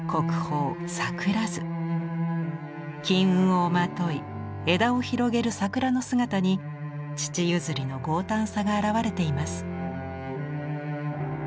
金雲をまとい枝を広げる桜の姿に父譲りの豪胆さが表れています。